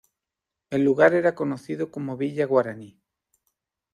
El lugar era conocido como Villa Guaraní.